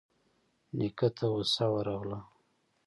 نيکه ته غوسه ورغله.